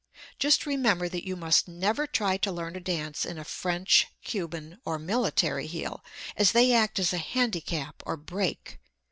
Just remember, that you must never try to learn to dance in a French, Cuban or military heel, as they act as a handicap or "brake."